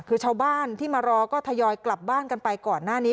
คือชาวบ้านที่มารอก็ทยอยกลับบ้านกันไปก่อนหน้านี้